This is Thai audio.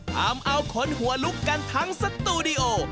ทำเอาขนหัวลุกกันทั้งสตูดิโอ